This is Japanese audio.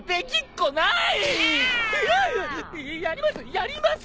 やります！